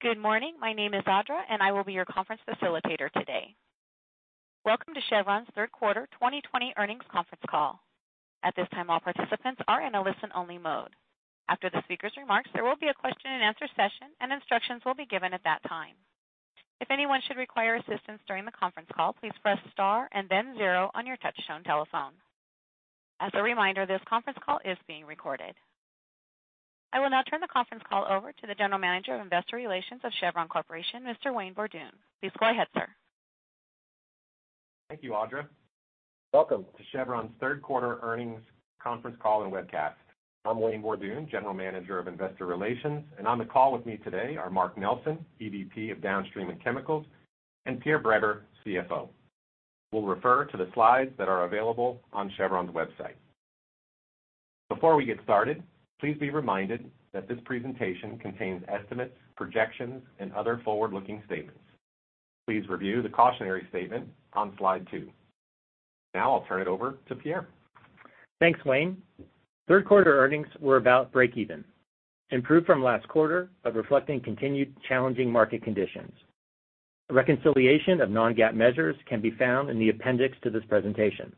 Good morning. My name is Audra, and I will be your conference facilitator today. Welcome to Chevron's third quarter 2020 earnings conference call. At this time, all participants are in a listen-only mode. After the speakers' remarks, there will be a question-and-answer session, and instructions will be given at that time. If anyone should require assistance during the conference call, please press star and then zero on your touchtone telephone. As a reminder, this conference call is being recorded. I will now turn the conference call over to the General Manager of Investor Relations of Chevron Corporation, Mr. Wayne Borduin. Please go ahead, sir. Thank you, Audra. Welcome to Chevron's third quarter earnings conference call and webcast. I'm Wayne Borduin, General Manager of Investor Relations, and on the call with me today are Mark Nelson, EVP of Downstream & Chemicals, and Pierre Breber, CFO. We'll refer to the slides that are available on Chevron's website. Before we get started, please be reminded that this presentation contains estimates, projections, and other forward-looking statements. Please review the cautionary statement on slide two. Now I'll turn it over to Pierre. Thanks, Wayne. Third quarter earnings were about breakeven, improved from last quarter, but reflecting continued challenging market conditions. A reconciliation of non-GAAP measures can be found in the appendix to this presentation.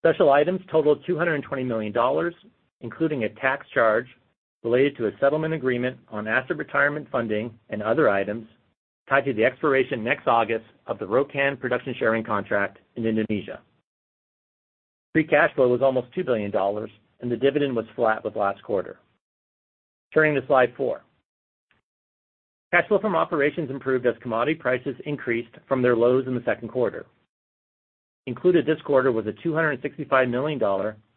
Special items totaled $220 million, including a tax charge related to a settlement agreement on asset retirement funding and other items tied to the expiration next August of the Rokan production sharing contract in Indonesia. Free cash flow was almost $2 billion, and the dividend was flat with last quarter. Turning to slide four. Cash flow from operations improved as commodity prices increased from their lows in the second quarter. Included this quarter was a $265 million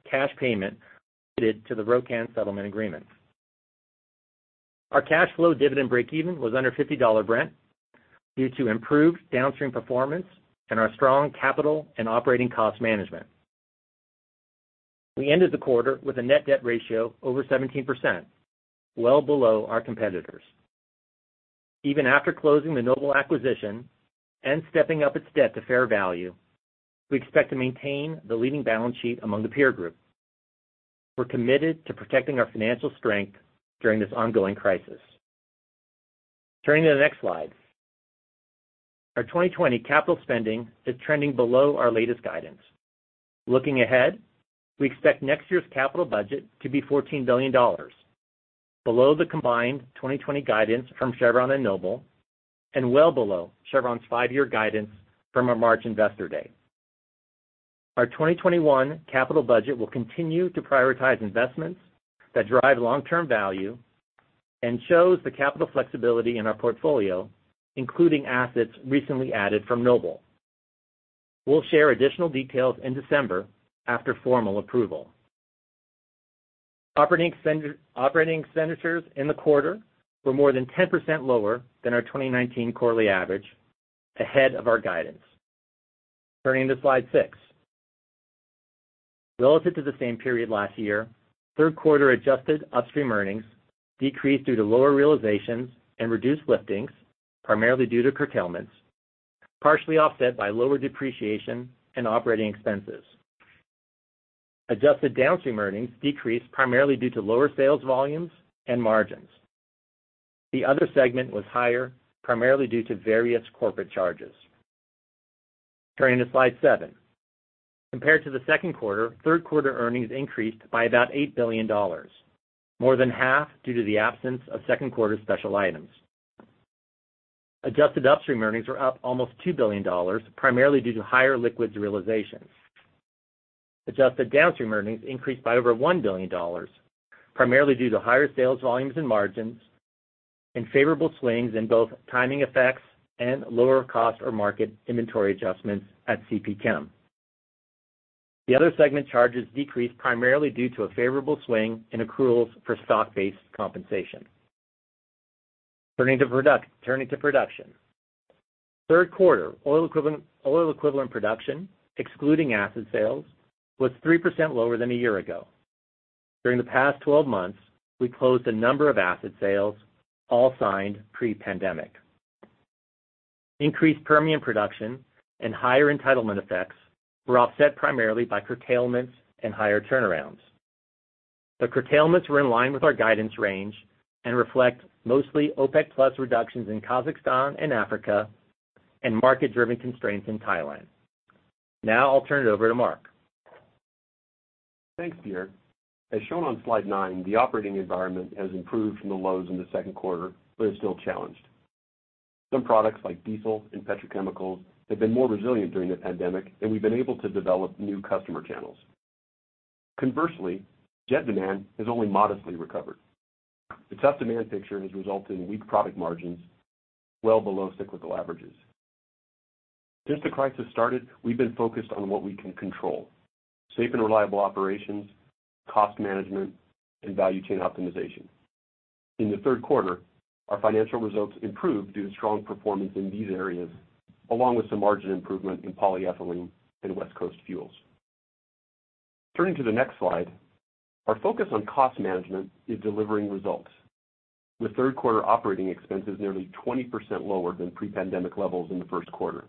cash payment related to the Rokan settlement agreement. Our cash flow dividend breakeven was under $50 Brent due to improved downstream performance and our strong capital and operating cost management. We ended the quarter with a net debt ratio over 17%, well below our competitors. Even after closing the Noble acquisition and stepping up its debt to fair value, we expect to maintain the leading balance sheet among the peer group. We're committed to protecting our financial strength during this ongoing crisis. Turning to the next slide. Our 2020 capital spending is trending below our latest guidance. Looking ahead, we expect next year's capital budget to be $14 billion, below the combined 2020 guidance from Chevron and Noble and well below Chevron's five-year guidance from our March investor day. Our 2021 capital budget will continue to prioritize investments that drive long-term value and shows the capital flexibility in our portfolio, including assets recently added from Noble. We'll share additional details in December after formal approval. Operating expenditures in the quarter were more than 10% lower than our 2019 quarterly average, ahead of our guidance. Turning to slide six. Relative to the same period last year, third quarter adjusted upstream earnings decreased due to lower realizations and reduced liftings, primarily due to curtailments, partially offset by lower depreciation and operating expenses. Adjusted downstream earnings decreased primarily due to lower sales volumes and margins. The other segment was higher, primarily due to various corporate charges. Turning to slide seven. Compared to the second quarter, third quarter earnings increased by about $8 billion, more than half due to the absence of second quarter special items. Adjusted upstream earnings were up almost $2 billion, primarily due to higher liquids realizations. Adjusted downstream earnings increased by over $1 billion, primarily due to higher sales volumes and margins and favorable swings in both timing effects and lower cost or market inventory adjustments at CPChem. The other segment charges decreased primarily due to a favorable swing in accruals for stock-based compensation. Turning to production. Third quarter oil equivalent production, excluding asset sales, was 3% lower than a year ago. During the past 12 months, we closed a number of asset sales, all signed pre-pandemic. Increased Permian production and higher entitlement effects were offset primarily by curtailments and higher turnarounds. The curtailments were in line with our guidance range and reflect mostly OPEC Plus reductions in Kazakhstan and Africa and market-driven constraints in Thailand. I'll turn it over to Mark. Thanks, Pierre. As shown on slide 9, the operating environment has improved from the lows in the second quarter but is still challenged. Some products, like diesel and petrochemicals, have been more resilient during the pandemic, and we've been able to develop new customer channels. Conversely, jet demand has only modestly recovered. The tough demand picture has resulted in weak profit margins well below cyclical averages. Since the crisis started, we've been focused on what we can control: safe and reliable operations, cost management, and value chain optimization. In the third quarter, our financial results improved due to strong performance in these areas, along with some margin improvement in polyethylene and West Coast fuels. Turning to the next slide. Our focus on cost management is delivering results, with third quarter operating expenses nearly 20% lower than pre-pandemic levels in the first quarter.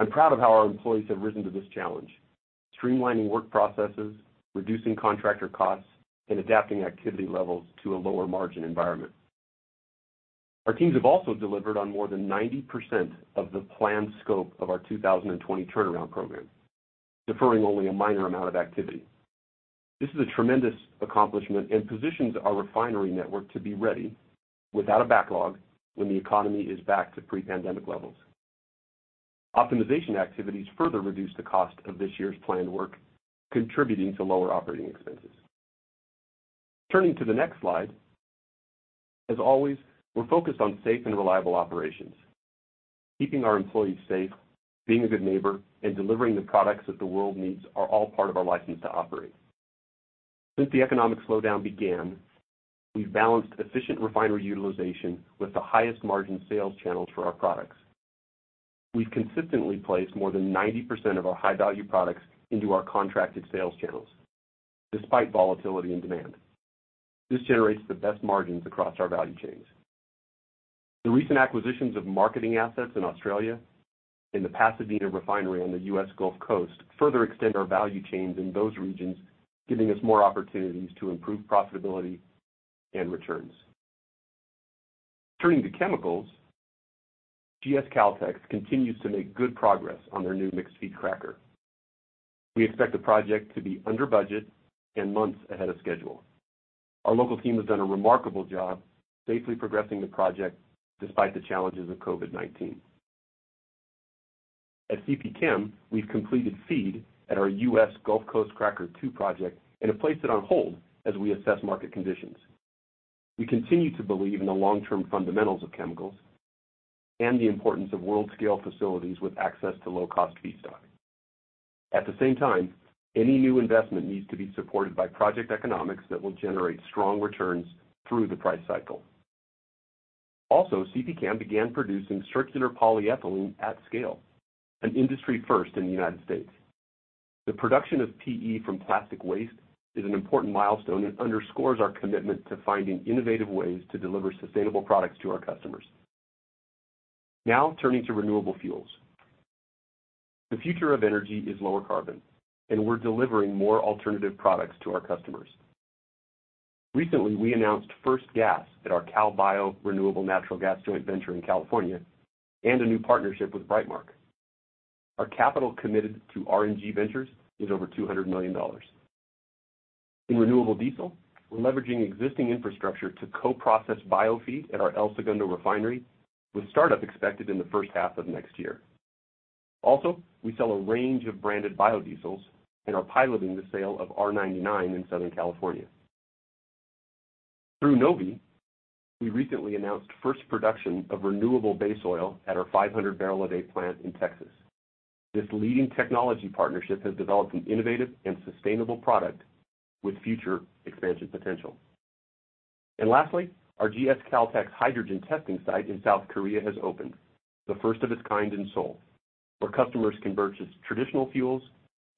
I'm proud of how our employees have risen to this challenge, streamlining work processes, reducing contractor costs, and adapting activity levels to a lower margin environment. Our teams have also delivered on more than 90% of the planned scope of our 2020 turnaround program, deferring only a minor amount of activity. This is a tremendous accomplishment and positions our refinery network to be ready without a backlog when the economy is back to pre-pandemic levels. Optimization activities further reduce the cost of this year's planned work, contributing to lower operating expenses. Turning to the next slide. As always, we're focused on safe and reliable operations. Keeping our employees safe, being a good neighbor, and delivering the products that the world needs are all part of our license to operate. Since the economic slowdown began, we've balanced efficient refinery utilization with the highest margin sales channels for our products. We've consistently placed more than 90% of our high-value products into our contracted sales channels, despite volatility and demand. This generates the best margins across our value chains. The recent acquisitions of marketing assets in Australia and the Pasadena Refinery on the U.S. Gulf Coast further extend our value chains in those regions, giving us more opportunities to improve profitability and returns. Turning to chemicals, GS Caltex continues to make good progress on their new mixed FEED cracker. We expect the project to be under budget and months ahead of schedule. Our local team has done a remarkable job safely progressing the project despite the challenges of COVID-19. At CPChem, we've completed FEED at our US Gulf Coast Cracker Two project and have placed it on hold as we assess market conditions. We continue to believe in the long-term fundamentals of chemicals and the importance of world-scale facilities with access to low-cost feedstock. At the same time, any new investment needs to be supported by project economics that will generate strong returns through the price cycle. CPChem began producing circular polyethylene at scale, an industry first in the U.S. The production of PE from plastic waste is an important milestone and underscores our commitment to finding innovative ways to deliver sustainable products to our customers. Now turning to renewable fuels. The future of energy is lower carbon, and we're delivering more alternative products to our customers. Recently, we announced first gas at our CalBio Renewable Natural Gas joint venture in California and a new partnership with Brightmark. Our capital committed to RNG ventures is over $200 million. In renewable diesel, we're leveraging existing infrastructure to co-process biofeed at our El Segundo refinery, with startup expected in the first half of next year. We sell a range of branded biodiesels and are piloting the sale of R99 in Southern California. Through Novvi, we recently announced first production of renewable base oil at our 500-barrel-a-day plant in Texas. This leading technology partnership has developed an innovative and sustainable product with future expansion potential. Lastly, our GS Caltex hydrogen testing site in South Korea has opened, the first of its kind in Seoul, where customers can purchase traditional fuels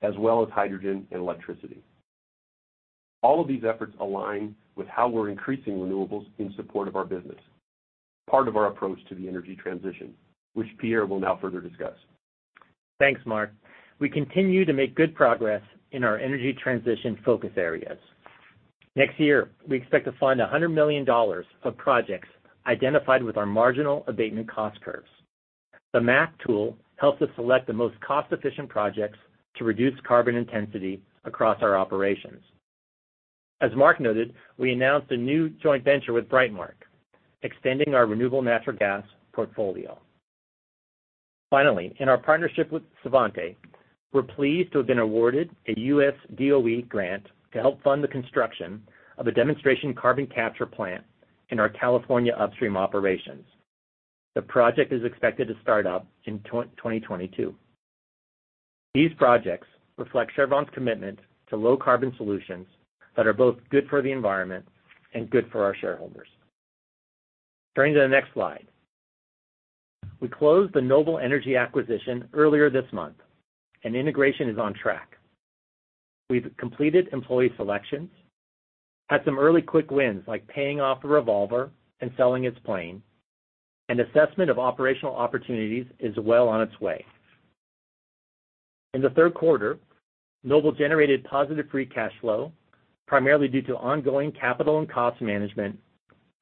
as well as hydrogen and electricity. All of these efforts align with how we're increasing renewables in support of our business. Part of our approach to the energy transition, which Pierre will now further discuss. Thanks, Mark. We continue to make good progress in our energy transition focus areas. Next year, we expect to fund $100 million of projects identified with our marginal abatement cost curves. The MAC tool helps us select the most cost-efficient projects to reduce carbon intensity across our operations. As Mark noted, we announced a new joint venture with Brightmark, extending our renewable natural gas portfolio. In our partnership with Svante, we're pleased to have been awarded a U.S. DOE grant to help fund the construction of a demonstration carbon capture plant in our California upstream operations. The project is expected to start up in 2022. These projects reflect Chevron's commitment to low carbon solutions that are both good for the environment and good for our shareholders. Turning to the next slide. We closed the Noble Energy acquisition earlier this month. Integration is on track. We've completed employee selections, had some early quick wins, like paying off the revolver and selling its plane, and assessment of operational opportunities is well on its way. In the third quarter, Noble generated positive free cash flow, primarily due to ongoing capital and cost management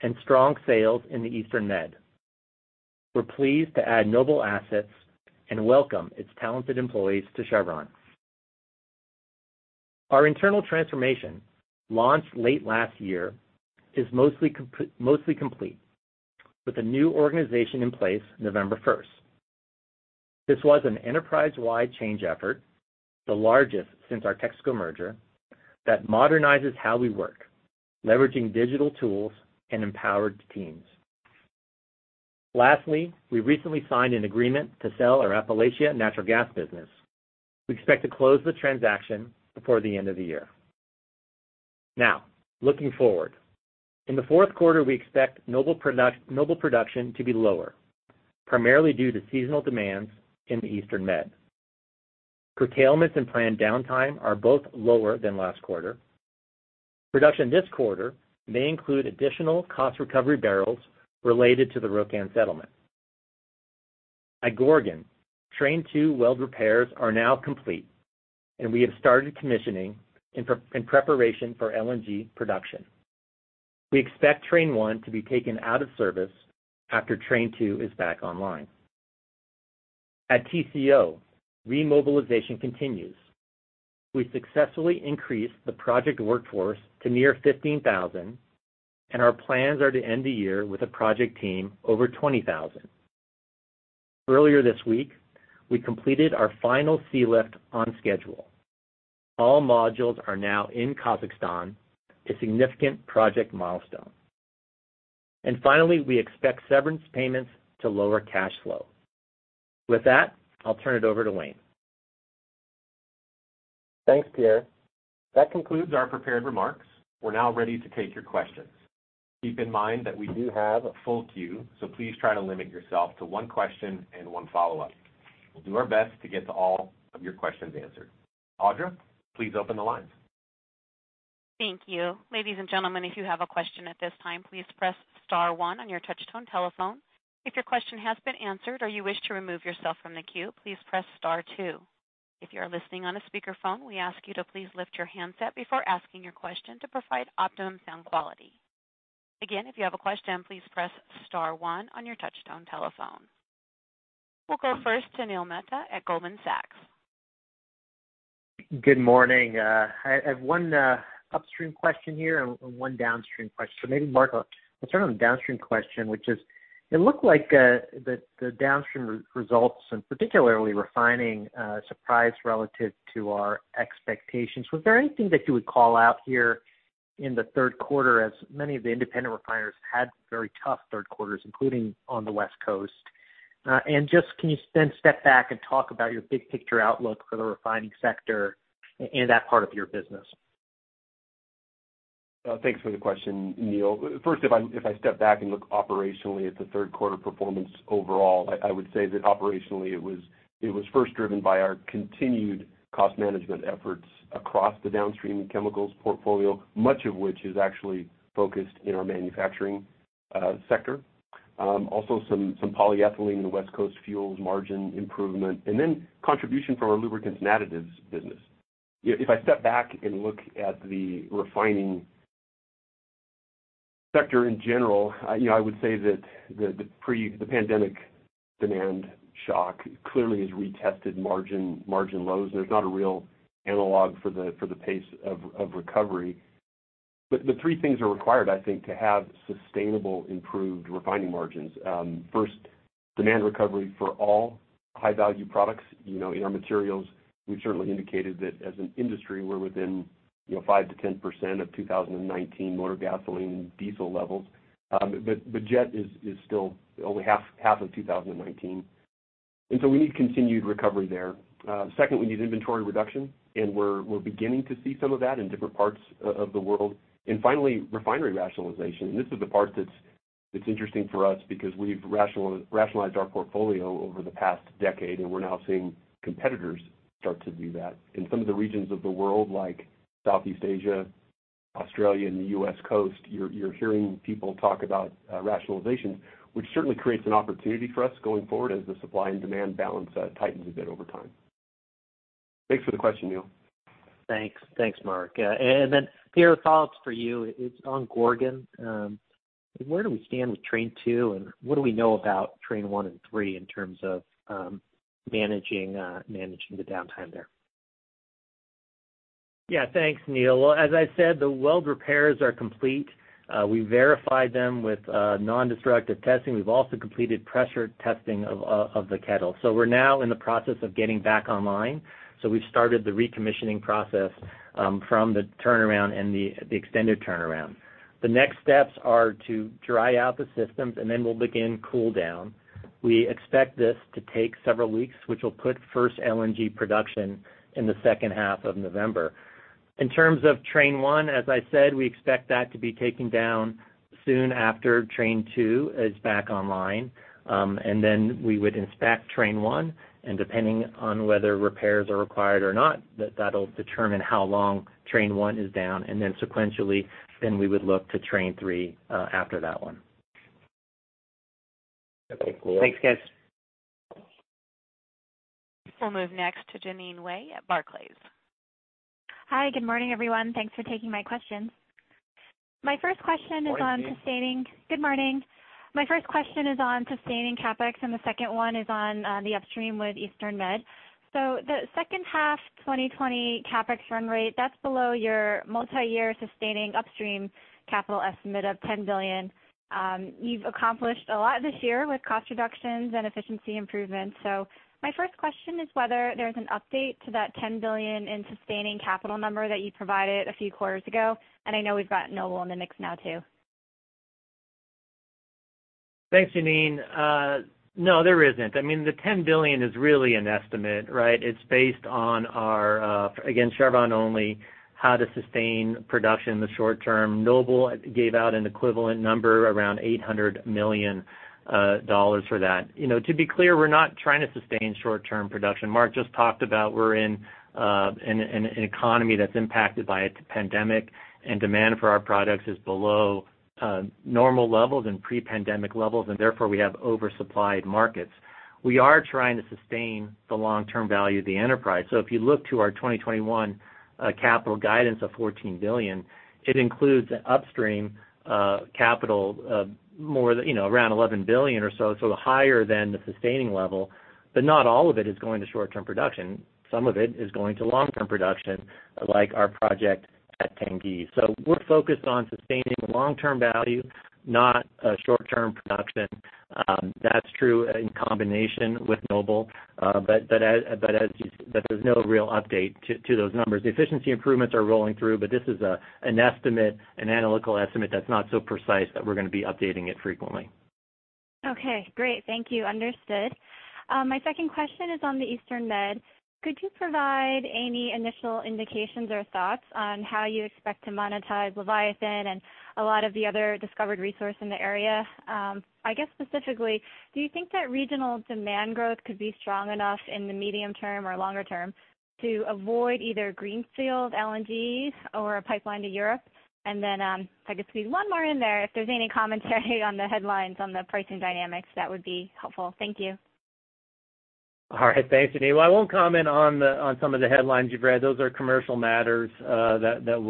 and strong sales in the Eastern Med. We're pleased to add Noble assets and welcome its talented employees to Chevron. Our internal transformation, launched late last year, is mostly complete with a new organization in place November 1st. This was an enterprise-wide change effort, the largest since our Texaco merger, that modernizes how we work, leveraging digital tools and empowered teams. We recently signed an agreement to sell our Appalachia natural gas business. We expect to close the transaction before the end of the year. Looking forward. In the fourth quarter, we expect Noble production to be lower, primarily due to seasonal demands in the Eastern Med. Curtailments and planned downtime are both lower than last quarter. Production this quarter may include additional cost recovery barrels related to the Rokan settlement. At Train 2 weld repairs are now complete. We have started commissioning in preparation for LNG production. We Train 1 to be taken out of service Train 2 is back online. At TCO, remobilization continues. We successfully increased the project workforce to near 15,000. Our plans are to end the year with a project team over 20,000. Earlier this week, we completed our final sea lift on schedule. All modules are now in Kazakhstan, a significant project milestone. Finally, we expect severance payments to lower cash flow. With that, I'll turn it over to Wayne. Thanks, Pierre. That concludes our prepared remarks. We're now ready to take your questions. Keep in mind that we do have a full queue, so please try to limit yourself to one question and one follow-up. We'll do our best to get to all of your questions answered. Audra, please open the lines. Thank you ladies and gentlemen if you have a question at this time please press star one if question have been answered and you wish to withdraw yourself from the queue press star two if you are listen on speaker phone we will ask you to please lift you handset before asking question to provide tone and quality Again if you have a question press star one. We'll go first to Neil Mehta at Goldman Sachs. Good morning. I have one upstream question here and one downstream question. Maybe Mark, I'll start on the downstream question, which is, it looked like the downstream results, and particularly refining, surprised relative to our expectations. Was there anything that you would call out here in the third quarter, as many of the independent refiners had very tough third quarters, including on the West Coast? Just can you then step back and talk about your big picture outlook for the refining sector in that part of your business? Thanks for the question, Neil. First, if I step back and look operationally at the third quarter performance overall, I would say that operationally it was first driven by our continued cost management efforts across the downstream chemicals portfolio, much of which is actually focused in our manufacturing sector. Also some polyethylene in the West Coast fuels margin improvement, and then contribution from our lubricants and additives business. If I step back and look at the refining sector in general, I would say that the pre-pandemic demand shock clearly has retested margin lows, and there's not a real analog for the pace of recovery. The three things are required, I think, to have sustainable improved refining margins. First, demand recovery for all high-value products. In our materials, we certainly indicated that as an industry, we're within 5%-10% of 2019 motor gasoline and diesel levels. Jet is still only half of 2019. We need continued recovery there. Second, we need inventory reduction, and we're beginning to see some of that in different parts of the world. Finally, refinery rationalization. This is the part that's interesting for us because we've rationalized our portfolio over the past decade, and we're now seeing competitors start to do that. In some of the regions of the world, like Southeast Asia, Australia, and the U.S. Coast, you're hearing people talk about rationalization, which certainly creates an opportunity for us going forward as the supply and demand balance tightens a bit over time. Thanks for the question, Neil. Thanks. Thanks, Mark. Then Pierre, follow-ups for you. It's on Gorgon. Where do we stand Train 2, and what do we know Train 1 and three in terms of managing the downtime there? Yeah, thanks, Neil. Well, as I said, the weld repairs are complete. We verified them with non-destructive testing. We've also completed pressure testing of the kettle. We're now in the process of getting back online. We've started the recommissioning process from the turnaround and the extended turnaround. The next steps are to dry out the systems. We'll begin cool down. We expect this to take several weeks, which will put first LNG production in the second half of November. In terms Train 1, as I said, we expect that to be taken down soon after Train 2 is back online. We would inspect Train 1, and depending on whether repairs are required or not, that'll determine how long Train 1 is down. Sequentially, we would look to Train 3 after that one. Okay, cool. Thanks, guys. We'll move next to Jeanine Wai at Barclays. Hi, good morning, everyone. Thanks for taking my questions. Morning to you. Good morning. My first question is on sustaining CapEx, and the second one is on the upstream with Eastern Med. The second half 2020 CapEx run rate, that's below your multi-year sustaining upstream capital estimate of $10 billion. You've accomplished a lot this year with cost reductions and efficiency improvements. My first question is whether there's an update to that $10 billion in sustaining capital number that you provided a few quarters ago. I know we've got Noble in the mix now, too. Thanks, Jeanine. No, there isn't. The $10 billion is really an estimate. It's based on our, again, Chevron-only, how to sustain production in the short term. Noble gave out an equivalent number, around $800 million for that. To be clear, we're not trying to sustain short-term production. Mark just talked about we're in an economy that's impacted by a pandemic, and demand for our products is below normal levels and pre-pandemic levels, and therefore, we have over-supplied markets. We are trying to sustain the long-term value of the enterprise. If you look to our 2021 capital guidance of $14 billion, it includes upstream capital of around $11 billion or so, higher than the sustaining level. Not all of it is going to short-term production. Some of it is going to long-term production, like our project at Tengiz. We're focused on sustaining the long-term value, not short-term production. That's true in combination with Noble. There's no real update to those numbers. The efficiency improvements are rolling through, but this is an analytical estimate that's not so precise that we're going to be updating it frequently. Okay, great. Thank you. Understood. My second question is on the Eastern Med. Could you provide any initial indications or thoughts on how you expect to monetize Leviathan and a lot of the other discovered resource in the area? I guess specifically, do you think that regional demand growth could be strong enough in the medium term or longer term to avoid either greenfield LNG or a pipeline to Europe? I guess maybe one more in there, if there's any commentary on the headlines on the pricing dynamics, that would be helpful. Thank you. All right, thanks, Jeanine. Well, I won't comment on some of the headlines you've read. Those are commercial matters that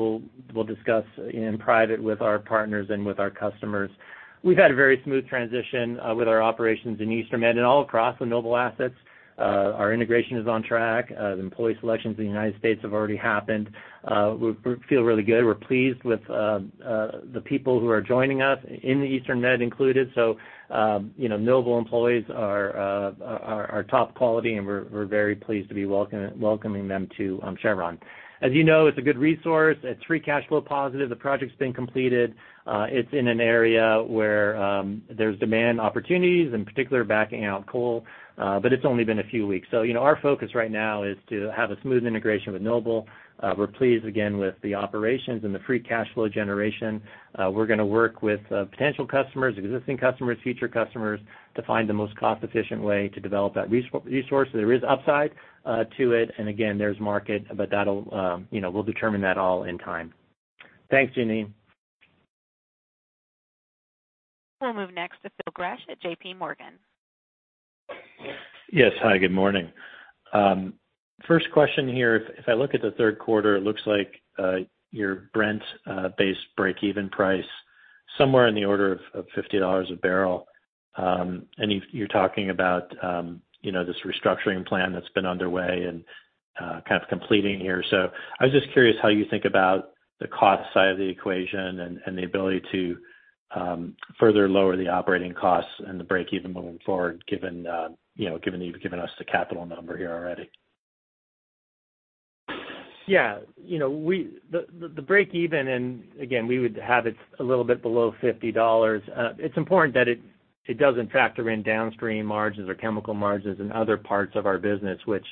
we'll discuss in private with our partners and with our customers. We've had a very smooth transition with our operations in Eastern Med and all across with Noble assets. Our integration is on track. The employee selections in the United States have already happened. We feel really good. We're pleased with the people who are joining us in the Eastern Med included. Noble employees are top quality, and we're very pleased to be welcoming them to Chevron. As you know, it's a good resource. It's free cash flow positive. The project's been completed. It's in an area where there's demand opportunities, in particular backing out coal, but it's only been a few weeks. Our focus right now is to have a smooth integration with Noble. We're pleased, again, with the operations and the free cash flow generation. We're going to work with potential customers, existing customers, future customers, to find the most cost-efficient way to develop that resource. There is upside to it. Again, there's market, but we'll determine that all in time. Thanks, Jeanine. We'll move next to Phil Gresh at JPMorgan. Yes. Hi, good morning. First question here. If I look at the third quarter, it looks like your Brent base breakeven price somewhere in the order of $50 a barrel. You're talking about this restructuring plan that's been underway and kind of completing here. I was just curious how you think about the cost side of the equation and the ability to further lower the operating costs and the breakeven moving forward, given that you've given us the capital number here already. The breakeven, again, we would have it a little bit below $50. It's important that it doesn't factor in downstream margins or chemical margins in other parts of our business, which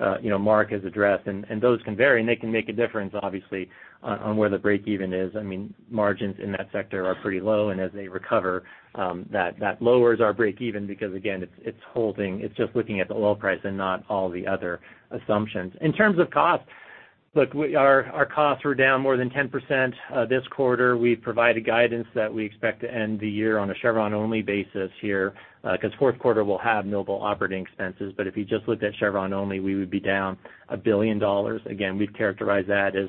Mark has addressed, and those can vary, and they can make a difference, obviously, on where the breakeven is. Margins in that sector are pretty low, and as they recover, that lowers our breakeven because again, it's just looking at the oil price and not all the other assumptions. In terms of cost, look, our costs were down more than 10% this quarter. We've provided guidance that we expect to end the year on a Chevron-only basis here, because fourth quarter will have Noble operating expenses. If you just looked at Chevron only, we would be down $1 billion. Again, we'd characterize that as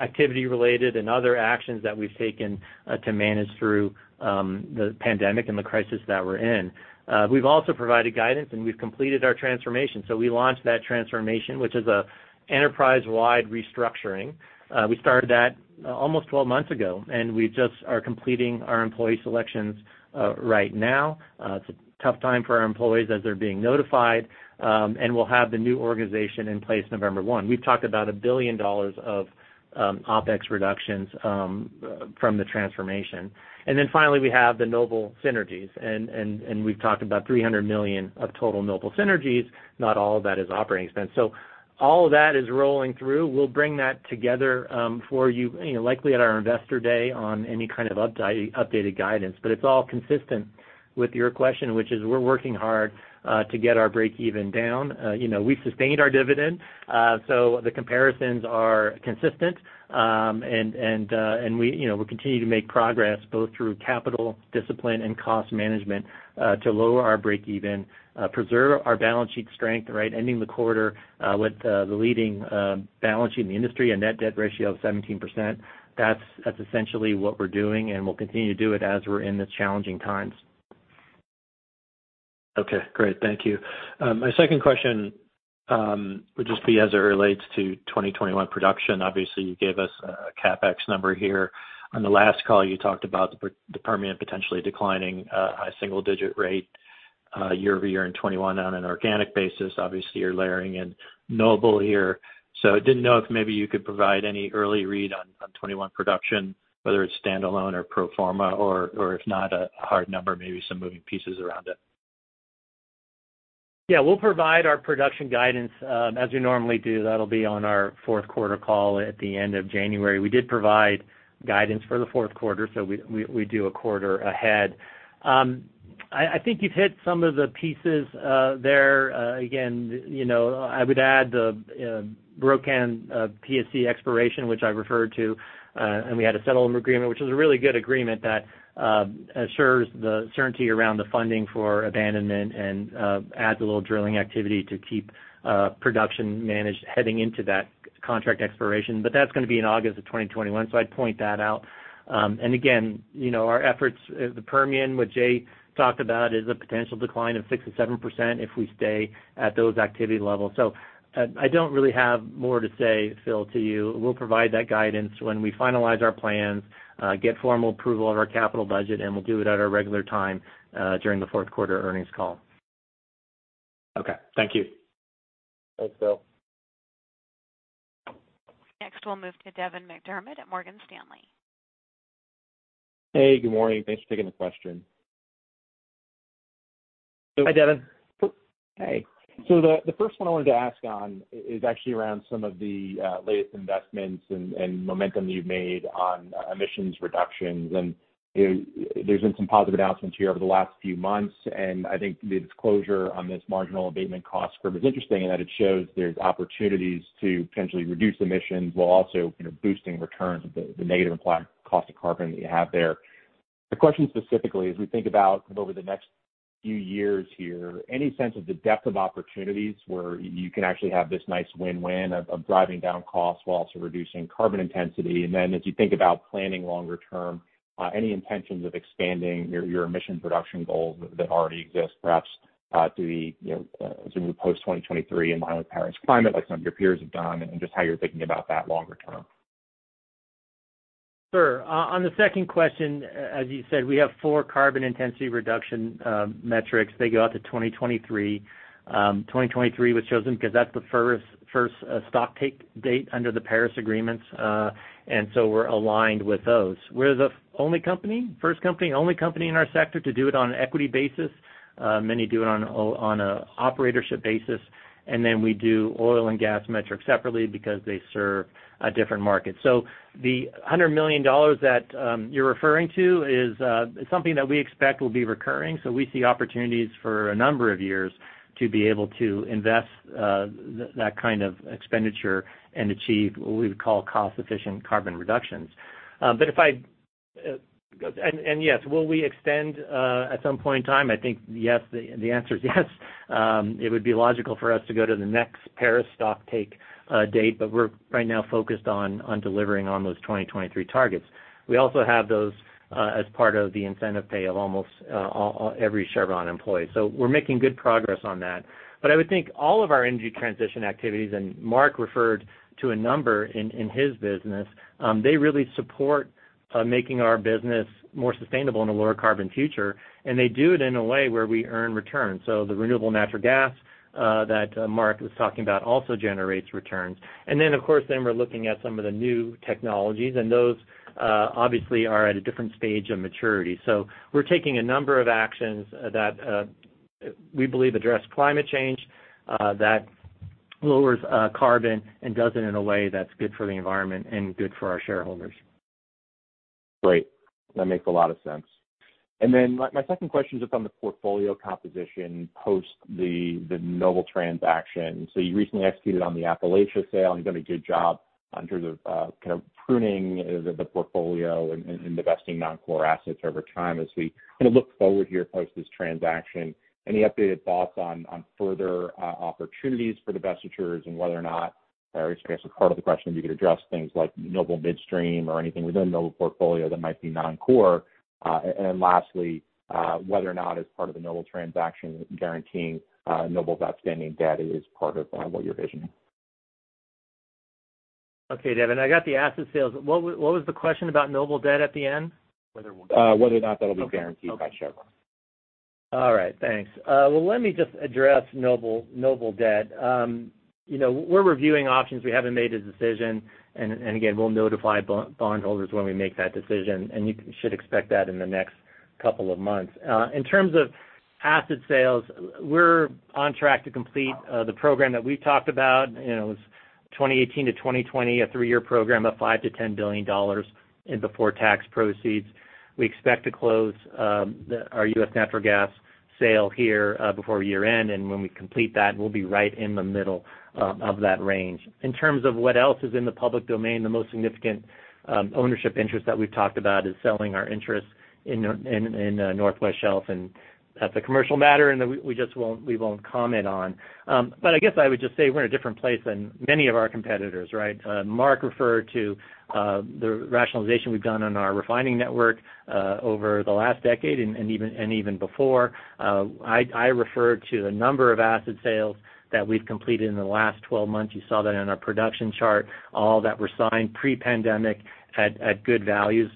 activity-related and other actions that we've taken to manage through the pandemic and the crisis that we're in. We've also provided guidance. We've completed our transformation. We launched that transformation, which is an enterprise-wide restructuring. We started that almost 12 months ago. We just are completing our employee selections right now. It's a tough time for our employees as they're being notified. We'll have the new organization in place November 1. We've talked about $1 billion of OpEx reductions from the transformation. Finally, we have the Noble synergies. We've talked about $300 million of total Noble synergies. Not all of that is operating expense. All of that is rolling through. We'll bring that together for you likely at our investor day on any kind of updated guidance. It's all consistent with your question, which is we're working hard to get our breakeven down. We've sustained our dividend, the comparisons are consistent. We continue to make progress both through capital discipline and cost management to lower our breakeven, preserve our balance sheet strength, ending the quarter with the leading balance sheet in the industry, a net debt ratio of 17%. That's essentially what we're doing, and we'll continue to do it as we're in these challenging times. Okay, great. Thank you. My second question would just be as it relates to 2021 production. Obviously, you gave us a CapEx number here. On the last call, you talked about the Permian potentially declining a high single-digit rate year-over-year in 2021 on an organic basis. Obviously, you're layering in Noble here. I didn't know if maybe you could provide any early read on 2021 production, whether it's standalone or pro forma, or if not a hard number, maybe some moving pieces around it. Yeah. We'll provide our production guidance as we normally do. That'll be on our fourth quarter call at the end of January. We did provide guidance for the fourth quarter, so we do a quarter ahead. I think you've hit some of the pieces there. Again, I would add the Rokan PSC expiration, which I referred to, and we had a settlement agreement, which was a really good agreement that assures the certainty around the funding for abandonment and adds a little drilling activity to keep production managed heading into that contract expiration. That's going to be in August of 2021, so I'd point that out. Again, our efforts, the Permian, which Jay talked about, is a potential decline of 6%-7% if we stay at those activity levels. I don't really have more to say, Phil, to you. We'll provide that guidance when we finalize our plans, get formal approval of our capital budget, and we'll do it at our regular time during the fourth quarter earnings call. Okay. Thank you. Thanks, Phil. Next, we'll move to Devin McDermott at Morgan Stanley. Hey, good morning. Thanks for taking the question. Hi, Devin. Hey. The first one I wanted to ask on is actually around some of the latest investments and momentum that you've made on emissions reductions. There's been some positive announcements here over the last few months, and I think the disclosure on this marginal abatement cost curve is interesting in that it shows there's opportunities to potentially reduce emissions while also boosting returns with the negative implied cost of carbon that you have there. The question specifically is we think about over the next few years here, any sense of the depth of opportunities where you can actually have this nice win-win of driving down costs while also reducing carbon intensity? As you think about planning longer term, any intentions of expanding your emission reduction goals that already exist, perhaps to the post-2023 in line with Paris Climate like some of your peers have done, and just how you're thinking about that longer term? Sure. On the second question, as you said, we have four carbon intensity reduction metrics. They go out to 2023. 2023 was chosen because that's the first stock take date under the Paris Agreement. We're aligned with those. We're the first company, only company in our sector to do it on an equity basis. Many do it on a operatorship basis, and then we do oil and gas metrics separately because they serve a different market. The $100 million that you're referring to is something that we expect will be recurring. We see opportunities for a number of years to be able to invest that kind of expenditure and achieve what we would call cost-efficient carbon reductions. Yes, will we extend at some point in time? I think the answer is yes. It would be logical for us to go to the next Paris stock take date, but we're right now focused on delivering on those 2023 targets. We also have those as part of the incentive pay of almost every Chevron employee. We're making good progress on that. I would think all of our energy transition activities, and Mark referred to a number in his business, they really support making our business more sustainable in a lower carbon future, and they do it in a way where we earn returns. The renewable natural gas that Mark was talking about also generates returns. Of course, then we're looking at some of the new technologies, and those obviously are at a different stage of maturity. We're taking a number of actions that we believe address climate change, that lowers carbon, and does it in a way that's good for the environment and good for our shareholders. Great. That makes a lot of sense. My second question is on the portfolio composition post the Noble transaction. You recently executed on the Appalachia sale and done a good job in terms of pruning the portfolio and divesting non-core assets over time. As we look forward here post this transaction, any updated thoughts on further opportunities for divestitures and whether or not, I guess part of the question, you could address things like Noble Midstream or anything within Noble portfolio that might be non-core. Lastly, whether or not as part of the Noble transaction guaranteeing Noble's outstanding debt is part of what you're visioning. Okay, Devin, I got the asset sales. What was the question about Noble debt at the end? Whether or not that'll be guaranteed by Chevron. All right. Thanks. Well, let me just address Noble debt. We're reviewing options. We haven't made a decision. Again, we'll notify bondholders when we make that decision, and you should expect that in the next couple of months. In terms of asset sales, we're on track to complete the program that we've talked about. It was 2018 to 2020, a three-year program of $5 billion-$10 billion in before tax proceeds. We expect to close our U.S. natural gas sale here before year-end, and when we complete that, we'll be right in the middle of that range. In terms of what else is in the public domain, the most significant ownership interest that we've talked about is selling our interest in North West Shelf, and that's a commercial matter, and we won't comment on. I guess I would just say we're in a different place than many of our competitors, right? Mark referred to the rationalization we've done on our refining network over the last decade and even before. I referred to a number of asset sales that we've completed in the last 12 months. You saw that in our production chart, all that were signed pre-pandemic at good values.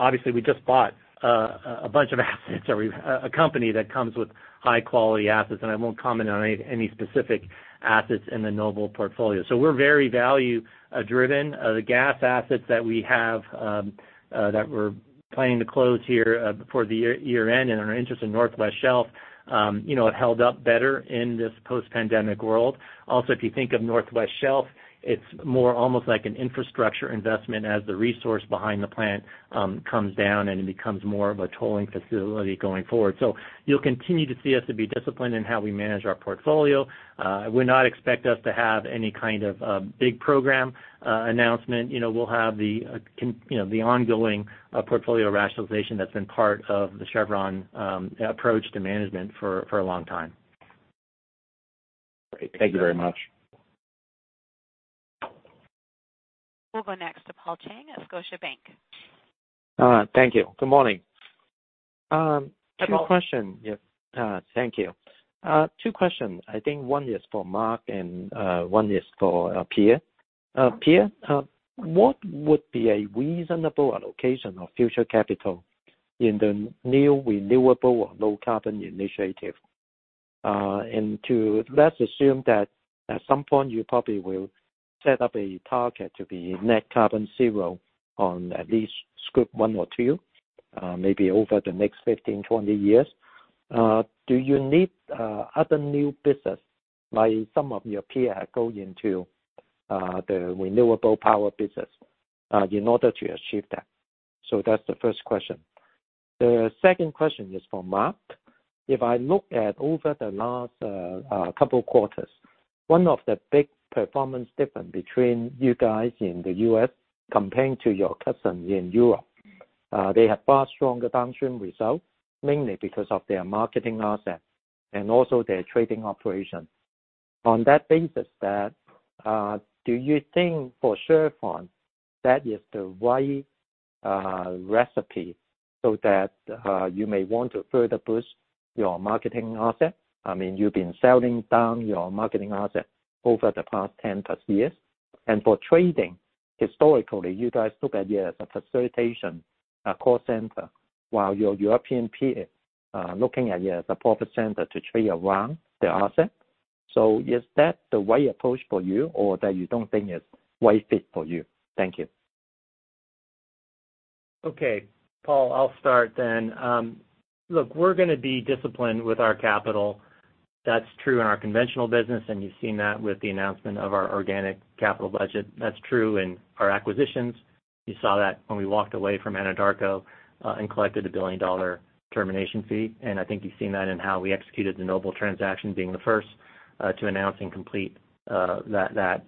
Obviously, we just bought a bunch of assets or a company that comes with high-quality assets, and I won't comment on any specific assets in the Noble portfolio. We're very value-driven. The gas assets that we have that we're planning to close here before the year-end, and our interest in North West Shelf have held up better in this post-pandemic world. If you think of North West Shelf, it's more almost like an infrastructure investment as the resource behind the plant comes down, and it becomes more of a tolling facility going forward. You'll continue to see us to be disciplined in how we manage our portfolio. I would not expect us to have any kind of big program announcement. We'll have the ongoing portfolio rationalization that's been part of the Chevron approach to management for a long time. Great. Thank you very much. We'll go next to Paul Cheng at Scotiabank. Thank you. Good morning. Good morning. Thank you. Two questions. I think one is for Mark Nelson and one is for Pierre Breber. Pierre Breber, what would be a reasonable allocation of future capital in the new renewable or low-carbon initiative? Two, let's assume that at some point you probably will set up a target to be net carbon zero on at least Scope 1 or 2, maybe over the next 15, 20 years. Do you need other new business, like some of your peer are going into the renewable power business, in order to achieve that? That's the first question. The second question is for Mark Nelson. If I look at over the last couple of quarters, one of the big performance difference between you guys in the U.S. comparing to your cousins in Europe. They have far stronger downstream results, mainly because of their marketing assets and also their trading operations. On that basis, do you think for Chevron, that is the right recipe so that you may want to further push your marketing asset? You've been selling down your marketing asset over the past 10+ years. For trading, historically, you guys look at it as a facilitation call center, while your European peers are looking at it as a profit center to trade around their asset. Is that the right approach for you or that you don't think it's right fit for you? Thank you. Okay. Paul, I'll start then. Look, we're going to be disciplined with our capital. That's true in our conventional business, and you've seen that with the announcement of our organic capital budget. That's true in our acquisitions. You saw that when we walked away from Anadarko and collected a billion-dollar termination fee. I think you've seen that in how we executed the Noble transaction, being the first to announce and complete that,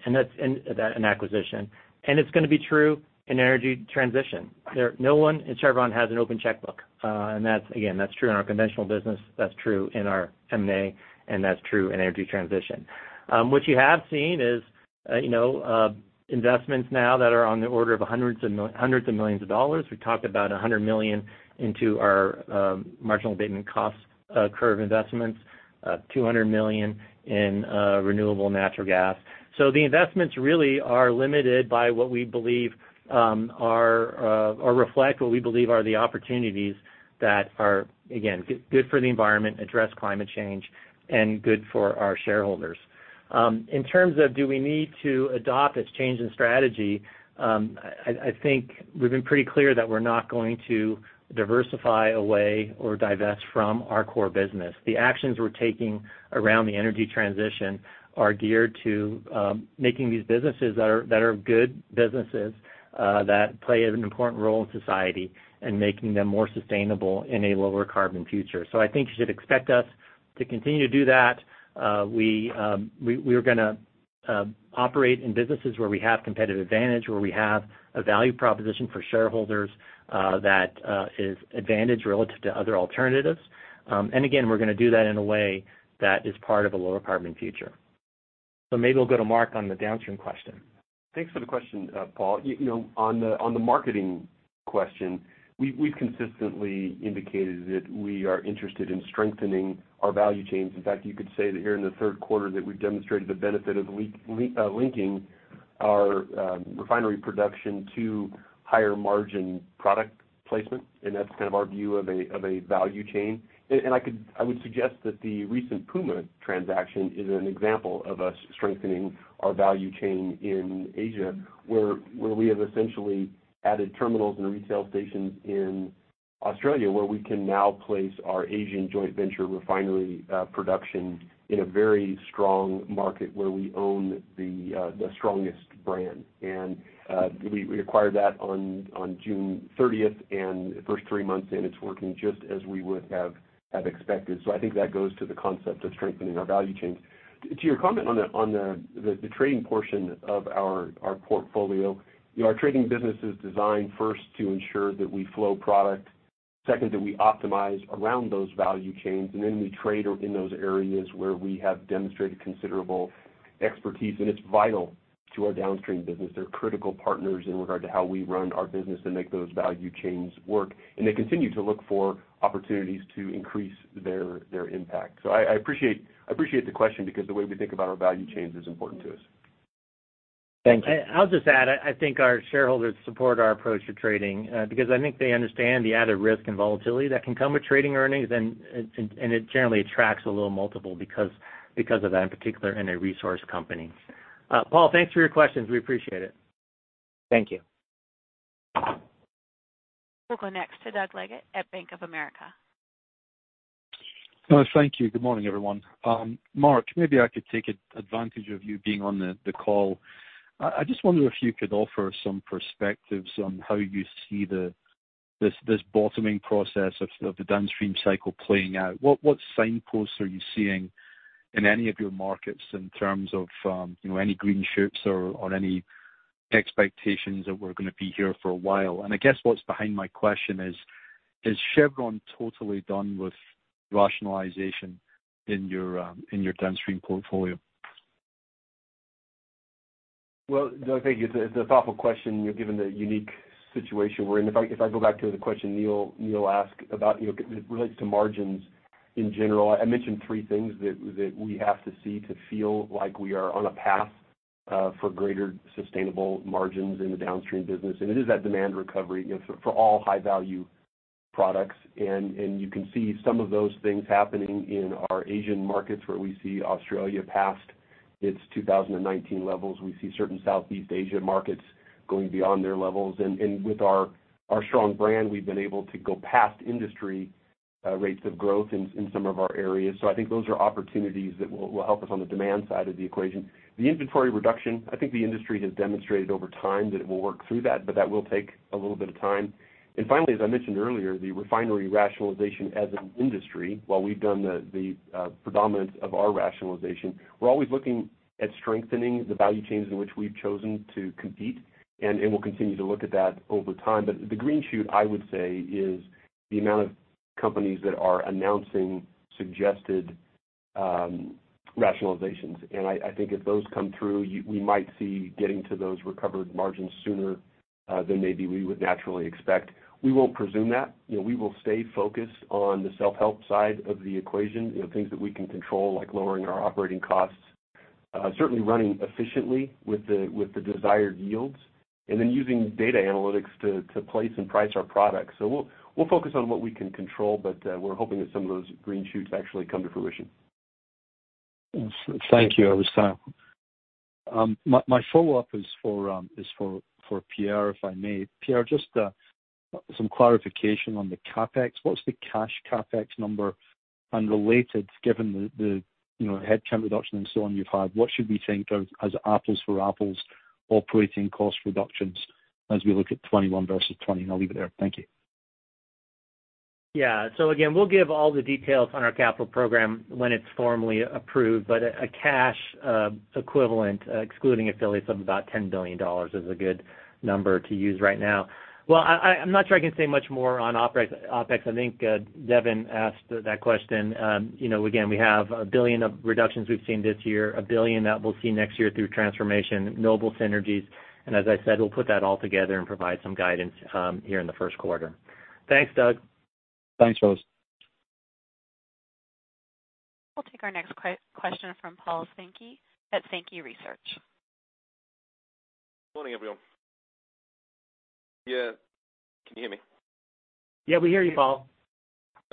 an acquisition. It's going to be true in energy transition. No one in Chevron has an open checkbook. Again, that's true in our conventional business, that's true in our M&A, and that's true in energy transition. What you have seen is investments now that are on the order of hundreds of millions of dollars. We talked about $100 million into our marginal abatement cost curve investments, $200 million in renewable natural gas. The investments really are limited by what we believe or reflect what we believe are the opportunities that are, again, good for the environment, address climate change, and good for our shareholders. In terms of do we need to adopt this change in strategy, I think we've been pretty clear that we're not going to diversify away or divest from our core business. The actions we're taking around the energy transition are geared to making these businesses that are good businesses that play an important role in society and making them more sustainable in a lower carbon future. I think you should expect us to continue to do that. We're going to operate in businesses where we have competitive advantage, where we have a value proposition for shareholders that is advantage relative to other alternatives. Again, we're going to do that in a way that is part of a lower carbon future. Maybe we'll go to Mark on the downstream question. Thanks for the question, Paul. On the marketing question, we've consistently indicated that we are interested in strengthening our value chains. In fact, you could say that here in the third quarter that we've demonstrated the benefit of linking our refinery production to higher margin product placement, and that's kind of our view of a value chain. I would suggest that the recent Puma transaction is an example of us strengthening our value chain in Asia, where we have essentially added terminals and retail stations in Australia, where we can now place our Asian joint venture refinery production in a very strong market where we own the strongest brand. We acquired that on June 30th, and first three months in, it's working just as we would have expected. I think that goes to the concept of strengthening our value chains. To your comment on the trading portion of our portfolio. Our trading business is designed first to ensure that we flow product, second, that we optimize around those value chains, and then we trade in those areas where we have demonstrated considerable expertise, and it's vital to our downstream business. They're critical partners in regard to how we run our business and make those value chains work. They continue to look for opportunities to increase their impact. I appreciate the question because the way we think about our value chains is important to us. Thank you. I'll just add, I think our shareholders support our approach to trading, because I think they understand the added risk and volatility that can come with trading earnings, and it generally attracts a little multiple because of that, in particular in a resource company. Paul, thanks for your questions. We appreciate it. Thank you. We'll go next to Doug Leggate at Bank of America. Thank you. Good morning, everyone. Mark, maybe I could take advantage of you being on the call. I just wonder if you could offer some perspectives on how you see this bottoming process of the downstream cycle playing out. What signposts are you seeing in any of your markets in terms of any green shoots or any expectations that we're going to be here for a while? I guess what's behind my question is Chevron totally done with rationalization in your downstream portfolio? Well, Doug, thank you. It's a thoughtful question given the unique situation we're in. If I go back to the question Neil asked about, it relates to margins in general. I mentioned three things that we have to see to feel like we are on a path for greater sustainable margins in the downstream business. It is that demand recovery for all high-value products. You can see some of those things happening in our Asian markets, where we see Australia past its 2019 levels. We see certain Southeast Asia markets going beyond their levels. With our strong brand, we've been able to go past industry rates of growth in some of our areas. I think those are opportunities that will help us on the demand side of the equation. The inventory reduction, I think the industry has demonstrated over time that it will work through that, but that will take a little bit of time. Finally, as I mentioned earlier, the refinery rationalization as an industry, while we've done the predominance of our rationalization, we're always looking at strengthening the value chains in which we've chosen to compete, and we'll continue to look at that over time. The green shoot, I would say, is the amount of companies that are announcing suggested rationalizations. I think if those come through, we might see getting to those recovered margins sooner than maybe we would naturally expect. We won't presume that. We will stay focused on the self-help side of the equation, things that we can control, like lowering our operating costs, certainly running efficiently with the desired yields, and then using data analytics to place and price our products. We'll focus on what we can control, but we're hoping that some of those green shoots actually come to fruition. Thank you. My follow-up is for Pierre, if I may. Pierre, just some clarification on the CapEx. What's the cash CapEx number? Related, given the headcount reduction and so on you've had, what should we think of as apples for apples operating cost reductions as we look at 2021 versus 2020? I'll leave it there. Thank you. Yeah. Again, we'll give all the details on our capital program when it's formally approved, but a cash equivalent, excluding affiliates, of about $10 billion is a good number to use right now. Well, I'm not sure I can say much more on OpEx. I think Devin asked that question. Again, we have $1 billion of reductions we've seen this year, $1 billion that we'll see next year through transformation, Noble synergies, and as I said, we'll put that all together and provide some guidance here in the first quarter. Thanks, Doug. Thanks, Pierre. We'll take our next question from Paul Sankey at Sankey Research. Morning, everyone. Yeah. Can you hear me? Yeah, we hear you, Paul.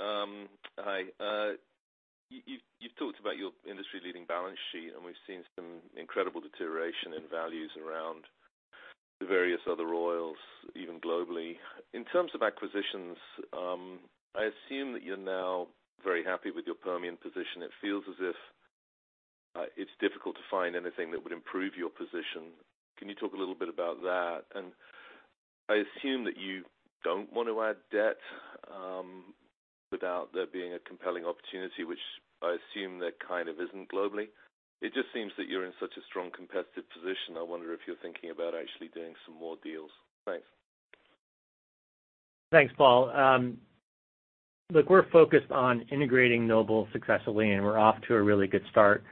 Hi. You've talked about your industry-leading balance sheet, and we've seen some incredible deterioration in values around the various other oils, even globally. In terms of acquisitions, I assume that you're now very happy with your Permian position. It feels as if it's difficult to find anything that would improve your position. Can you talk a little bit about that? I assume that you don't want to add debt without there being a compelling opportunity, which I assume there kind of isn't globally. It just seems that you're in such a strong competitive position. I wonder if you're thinking about actually doing some more deals. Thanks. Thanks, Paul. Look, we're focused on integrating Noble successfully, and we're off to a really good start.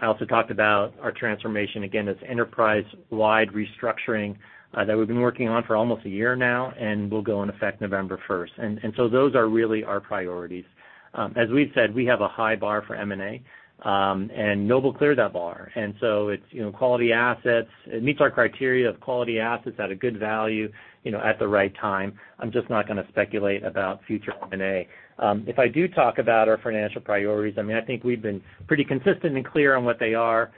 I also talked about our transformation, again, this enterprise-wide restructuring that we've been working on for almost a year now and will go in effect November 1st. Those are really our priorities. As we've said, we have a high bar for M&A, and Noble cleared that bar. It's quality assets. It meets our criteria of quality assets at a good value, at the right time. I'm just not going to speculate about future M&A. If I do talk about our financial priorities, I think we've been pretty consistent and clear on what they are.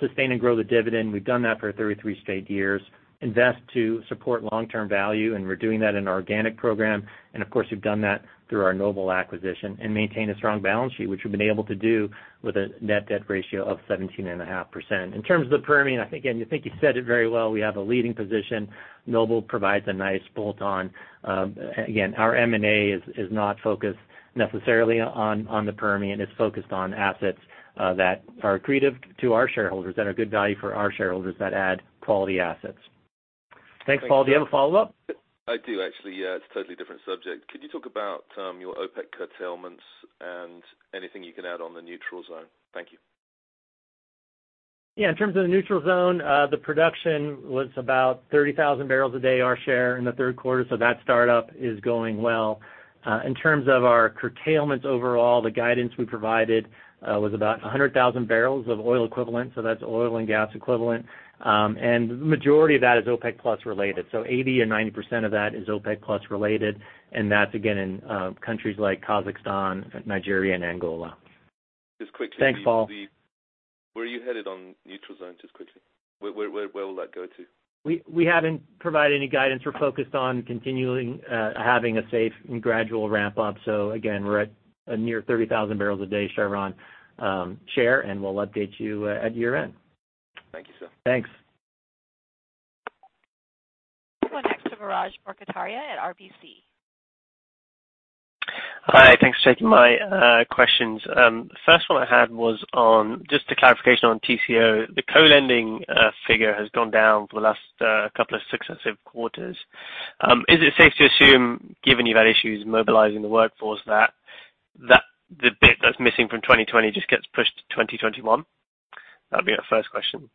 Sustain and grow the dividend. We've done that for 33 straight years. Invest to support long-term value, and we're doing that in our organic program. Of course, we've done that through our Noble acquisition. Maintain a strong balance sheet, which we've been able to do with a net debt ratio of 17.5%. In terms of the Permian, I think you said it very well, we have a leading position. Noble provides a nice bolt-on. Again, our M&A is not focused necessarily on the Permian. It's focused on assets that are accretive to our shareholders, that are good value for our shareholders, that add quality assets. Thanks, Paul. Do you have a follow-up? I do, actually. Yeah, it is a totally different subject. Could you talk about your OPEC curtailments and anything you can add on the Neutral Zone? Thank you. In terms of the Neutral Zone, the production was about 30,000 barrels a day, our share, in the third quarter, so that startup is going well. In terms of our curtailments overall, the guidance we provided was about 100,000 barrels of oil equivalent, so that's oil and gas equivalent. The majority of that is OPEC Plus related. 80% and 90% of that is OPEC Plus related, and that's again, in countries like Kazakhstan, Nigeria, and Angola. Just quickly. Thanks, Paul. Where are you headed on Neutral Zone, just quickly? Where will that go to? We haven't provided any guidance. We're focused on continuing having a safe and gradual ramp up. Again, we're at a near 30,000 barrels a day Chevron share, and we'll update you at year-end. Thank you, sir. Thanks. We'll go next to Biraj Borkhataria at RBC. Hi, thanks for taking my questions. First one I had was on just a clarification on TCO. The co-lending figure has gone down for the last couple of successive quarters. Is it safe to assume, given you've had issues mobilizing the workforce, that the bit that's missing from 2020 just gets pushed to 2021? That'd be my first question.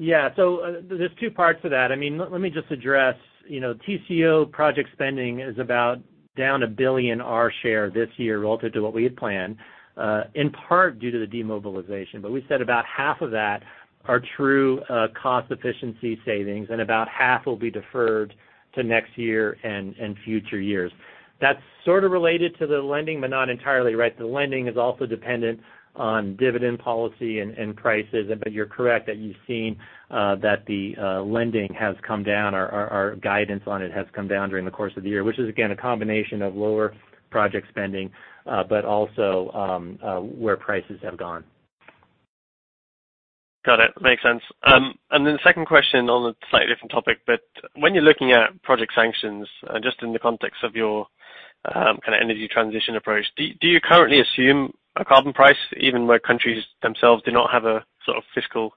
There's two parts to that. Let me just address TCO project spending is about down $1 billion our share this year relative to what we had planned, in part due to the demobilization. We said about half of that are true cost efficiency savings, and about half will be deferred to next year and future years. That's sort of related to the lending, but not entirely, right? The lending is also dependent on dividend policy and prices. You're correct that you've seen that the lending has come down. Our guidance on it has come down during the course of the year. Which is, again, a combination of lower project spending, but also where prices have gone. Got it. Makes sense. The second question on a slightly different topic, but when you're looking at project sanctions, just in the context of your kind of energy transition approach, do you currently assume a carbon price, even where countries themselves do not have a sort of fiscal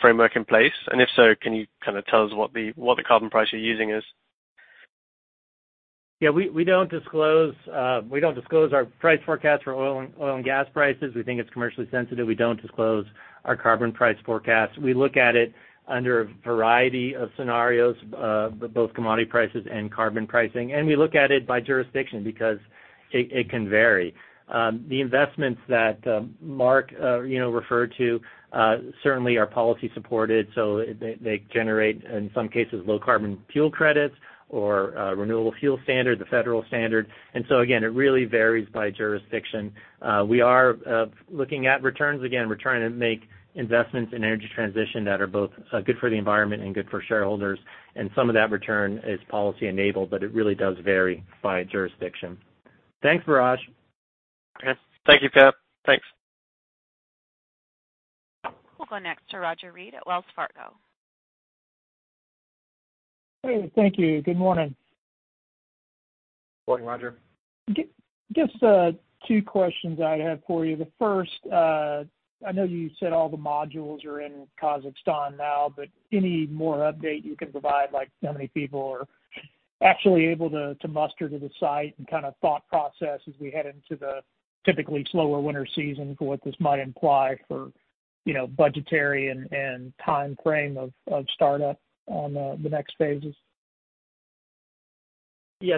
framework in place? If so, can you kind of tell us what the carbon price you're using is? Yeah, we don't disclose our price forecast for oil and gas prices. We think it's commercially sensitive. We don't disclose our carbon price forecast. We look at it under a variety of scenarios, both commodity prices and carbon pricing. We look at it by jurisdiction because it can vary. The investments that Mark referred to certainly are policy supported, so they generate, in some cases, low carbon fuel credits or Renewable Fuel Standard, the federal standard. Again, it really varies by jurisdiction. We are looking at returns. Again, we're trying to make investments in energy transition that are both good for the environment and good for shareholders. Some of that return is policy enabled, but it really does vary by jurisdiction. Thanks, Biraj. Okay. Thank you, Pierre. Thanks. We'll go next to Roger Read at Wells Fargo. Hey, thank you. Good morning. Morning, Roger. Just two questions I have for you. The first, I know you said all the modules are in Kazakhstan now, but any more update you can provide, like how many people are actually able to muster to the site and kind of thought process as we head into the typically slower winter season for what this might imply for budgetary and timeframe of startup on the next phases?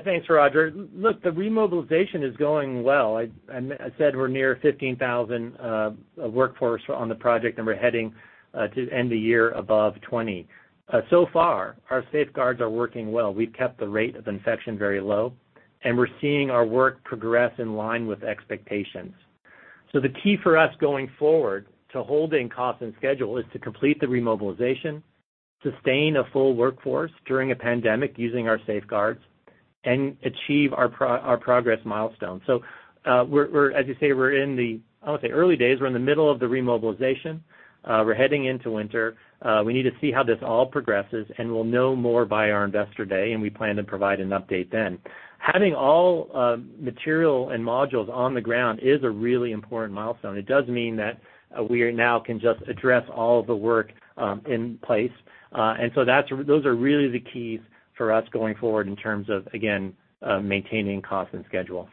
Thanks, Roger. Look, the remobilization is going well. I said we're near 15,000 workforce on the project, and we're heading to end the year above 20. Far, our safeguards are working well. We've kept the rate of infection very low, and we're seeing our work progress in line with expectations. The key for us going forward to holding cost and schedule is to complete the remobilization, sustain a full workforce during a pandemic using our safeguards, and achieve our progress milestones. As you say, we're in the, I won't say early days, we're in the middle of the remobilization. We're heading into winter. We need to see how this all progresses, and we'll know more by our investor day, and we plan to provide an update then. Having all material and modules on the ground is a really important milestone. It does mean that we now can just address all the work in place. Those are really the keys for us going forward in terms of, again, maintaining cost and schedule.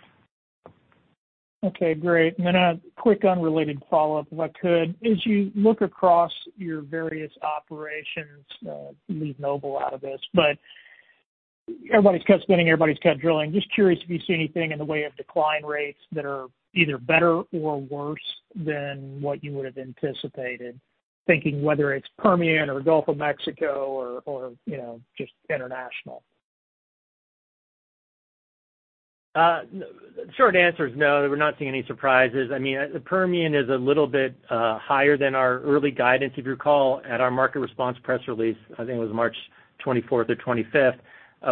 Okay, great. A quick unrelated follow-up, if I could. As you look across your various operations, leave Noble out of this, but everybody's cut spending, everybody's cut drilling. Just curious if you see anything in the way of decline rates that are either better or worse than what you would have anticipated, thinking whether it's Permian or Gulf of Mexico or just international? The short answer is no. We're not seeing any surprises. The Permian is a little bit higher than our early guidance. If you recall, at our market response press release, I think it was March 24th or 25th,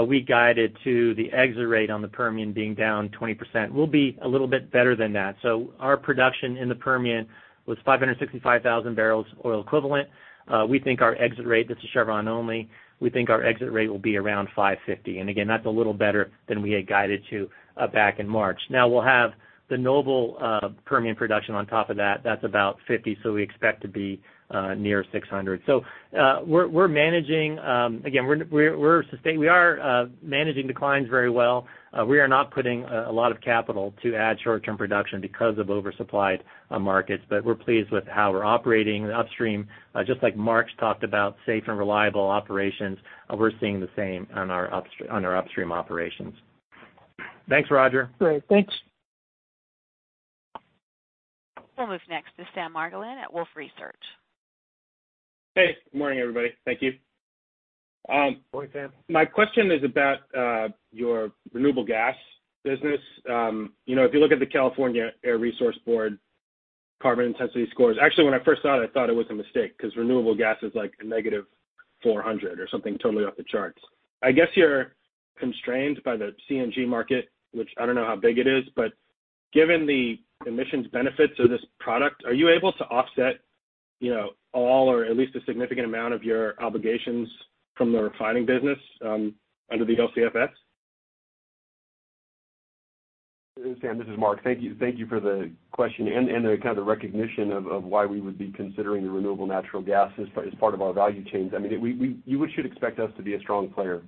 we guided to the exit rate on the Permian being down 20%. We'll be a little bit better than that. Our production in the Permian was 565,000 barrels oil equivalent. We think our exit rate, this is Chevron only, we think our exit rate will be around 550. Again, that's a little better than we had guided to back in March. Now, we'll have the Noble Permian production on top of that. That's about 50, so we expect to be near 600. We're managing declines very well. We are not putting a lot of capital to add short-term production because of oversupplied markets. We're pleased with how we're operating upstream. Just like Mark's talked about safe and reliable operations, we're seeing the same on our upstream operations. Thanks, Roger. Great. Thanks. We'll move next to Sam Margolin at Wolfe Research. Hey, good morning, everybody. Thank you. Morning, Sam. My question is about your renewable gas business. If you look at the California Air Resources Board carbon intensity scores, actually, when I first saw it, I thought it was a mistake because renewable gas is a negative 400 or something totally off the charts. I guess you're constrained by the CNG market, which I don't know how big it is, but given the emissions benefits of this product, are you able to offset all or at least a significant amount of your obligations from the refining business under the LCFS? Sam, this is Mark. Thank you for the question and the kind of recognition of why we would be considering the renewable natural gas as part of our value chains. You should expect us to be a strong player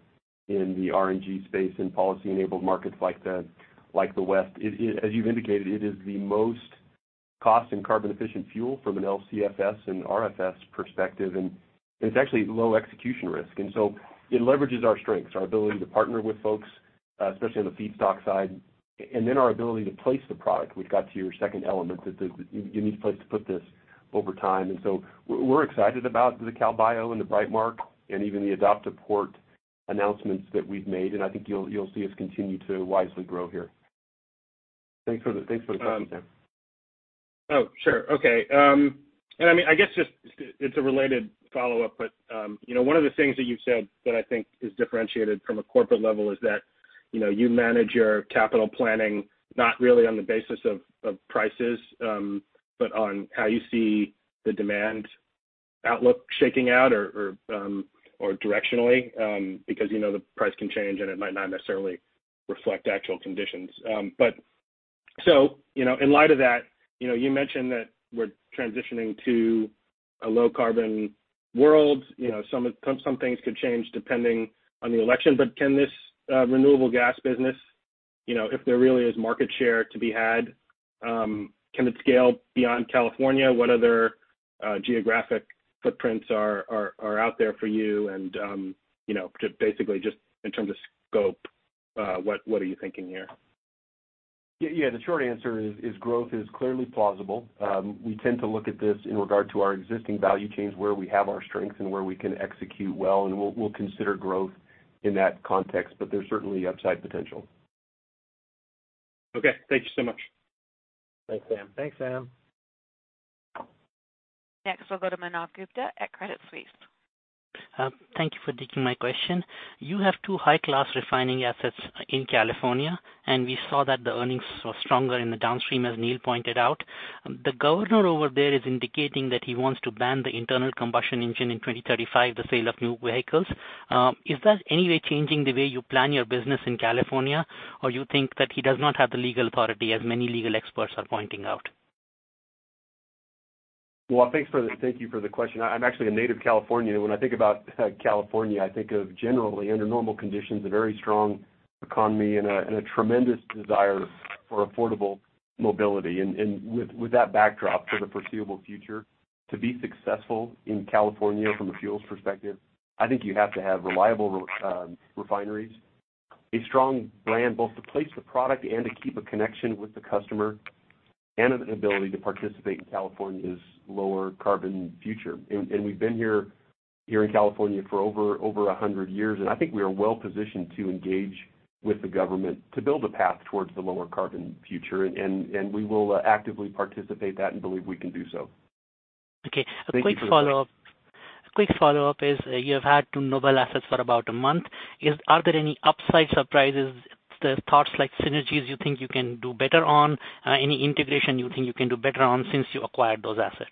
in the RNG space in policy-enabled markets like the West. As you've indicated, it is the most cost and carbon efficient fuel from an LCFS and RFS perspective, and it's actually low execution risk. It leverages our strengths, our ability to partner with folks, especially on the feedstock side, and then our ability to place the product. We've got to your second element that you need a place to put this over time. We're excited about the CalBio and the Brightmark and even the Adopt-a-Port announcements that we've made, and I think you'll see us continue to wisely grow here. Thanks for the question, Sam. Oh, sure. Okay. I guess it's a related follow-up, but one of the things that you've said that I think is differentiated from a corporate level is that you manage your capital planning not really on the basis of prices, but on how you see the demand outlook shaking out or directionally, because the price can change, and it might not necessarily reflect actual conditions. In light of that, you mentioned that we're transitioning to a low-carbon world. Some things could change depending on the election, but can this renewable gas business, if there really is market share to be had, can it scale beyond California? What other geographic footprints are out there for you? Basically just in terms of scope, what are you thinking here? Yeah, the short answer is growth is clearly plausible. We tend to look at this in regard to our existing value chains, where we have our strengths and where we can execute well, and we'll consider growth in that context, but there's certainly upside potential. Okay. Thank you so much. Thanks, Sam. Next, we'll go to Manav Gupta at Credit Suisse. Thank you for taking my question. You have two high-class refining assets in California, and we saw that the earnings were stronger in the downstream, as Neal pointed out. The governor over there is indicating that he wants to ban the internal combustion engine in 2035, the sale of new vehicles. Is that any way changing the way you plan your business in California, or you think that he does not have the legal authority, as many legal experts are pointing out? Well, thank you for the question. I'm actually a native Californian. When I think about California, I think of generally under normal conditions, a very strong economy and a tremendous desire for affordable mobility. With that backdrop for the foreseeable future, to be successful in California from a fuels perspective, I think you have to have reliable refineries, a strong brand, both to place the product and to keep a connection with the customer, and an ability to participate in California's lower carbon future. We've been here in California for over 100 years, and I think we are well-positioned to engage with the government to build a path towards the lower carbon future, and we will actively participate that and believe we can do so. Okay. A quick follow-up is you have had two Noble assets for about a month. Are there any upside surprises, parts like synergies you think you can do better on? Any integration you think you can do better on since you acquired those assets?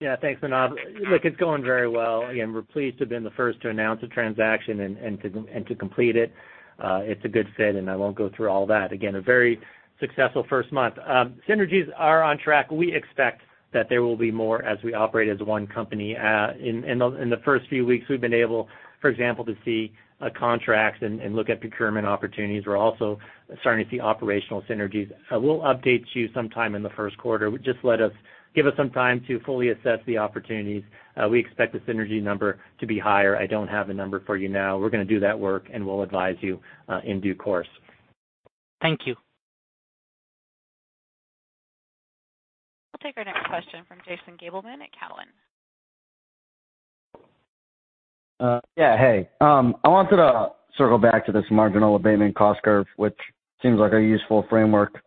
Yeah. Thanks, Manav. Look, it's going very well. Again, we're pleased to have been the first to announce a transaction and to complete it. It's a good fit, and I won't go through all that. Again, a very successful first month. Synergies are on track. We expect that there will be more as we operate as one company. In the first few weeks, we've been able, for example, to see contracts and look at procurement opportunities. We're also starting to see operational synergies. We'll update you sometime in the first quarter. Just give us some time to fully assess the opportunities. We expect the synergy number to be higher. I don't have a number for you now. We're going to do that work, and we'll advise you in due course. Thank you. We'll take our next question from Jason Gabelman at Cowen. Yeah. Hey. I wanted to circle back to this marginal abatement cost curve, which seems like a useful framework